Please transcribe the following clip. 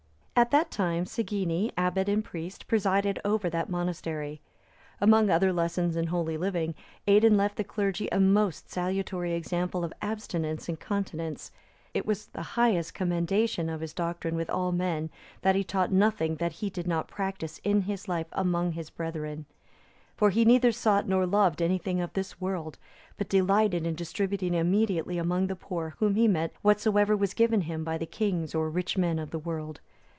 At that time Segeni,(311) abbot and priest, presided over that monastery. Among other lessons in holy living, Aidan left the clergy a most salutary example of abstinence and continence; it was the highest commendation of his doctrine with all men, that he taught nothing that he did not practise in his life among his brethren; for he neither sought nor loved anything of this world, but delighted in distributing immediately among the poor whom he met whatsoever was given him by the kings or rich men of the world.